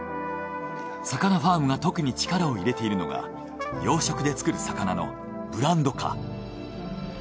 さかなファームが特に力を入れているのが養殖で作る魚のブランド化。